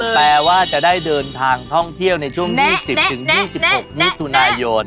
แปลว่าจะได้เดินทางท่องเที่ยวช่วงช่วง